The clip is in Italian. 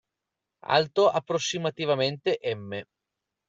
Alto approssimativamente m.